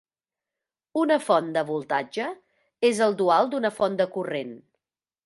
Una font de voltatge és el dual d'una font de corrent.